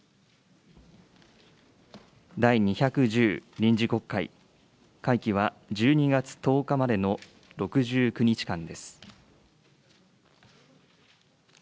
第２１０臨時国会、会期は１２月１０日までの６９日間です。